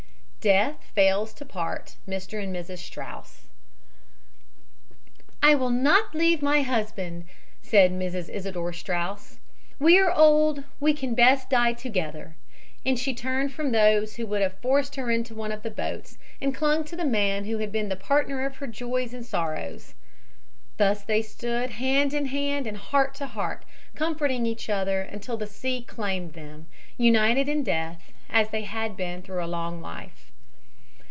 DEATH FAILS TO PART MR. AND MRS. STRAUS "I will not leave my husband," said Mrs. Isidor Straus. "We are old; we can best die together," and she turned from those who would have forced her into one of the boats and clung to the man who had been the partner of her joys and sorrows. Thus they stood hand in hand and heart to heart, comforting each other until the sea claimed them, united in death as they had been through a long life.